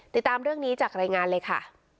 ติดตามเรื่องนี้จากรายงานเลยค่ะ